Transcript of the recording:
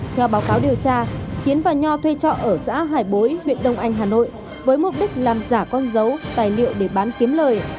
theo báo cáo điều tra tiến và nho thuê trọ ở xã hải bối huyện đông anh hà nội với mục đích làm giả con dấu tài liệu để bán kiếm lời